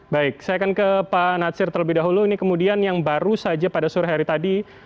baik saya akan ke pak natsir terlebih dahulu ini kemudian yang baru saja pada sore hari tadi